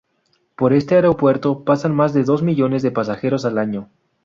Por este aeropuerto pasan más de dos millones de pasajeros al año.